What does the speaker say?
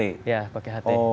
iya pakai ht